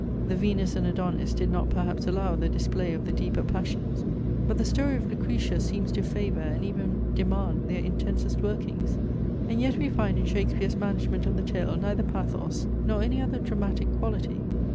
The VENUS AND ADONIS did not perhaps allow the display of the deeper passions. But the story of Lucretia seems to favour and even demand their intensest workings. And yet we find in Shakespeare's management of the tale neither pathos, nor any other dramatic quality.